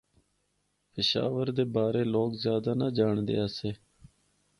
پشور دے بارے لوگ زیادہ نہ جانڑدے آسے۔